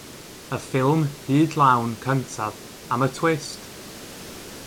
Y ffilm hyd lawn cyntaf am y Twist!